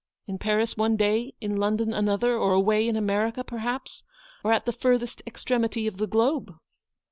In Paris one day, in London another, or away in America perhaps, or at the furthest extremity of the globe.